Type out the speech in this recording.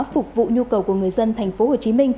phục vụ nhu cầu của người dân tp hcm